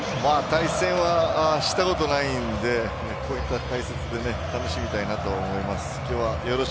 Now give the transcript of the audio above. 対戦はしたことないので解説で楽しみたいなと思います。